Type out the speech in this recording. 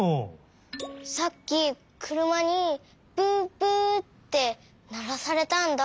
さっきくるまに「プップッ」ってならされたんだ。